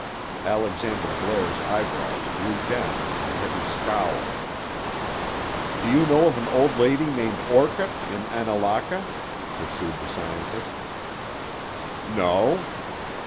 Alexander Blair's eyebrows drew down in a heavy scowl. "Do you know of an old lady named Orcutt in Annalaka?" pursued the scientist. "No."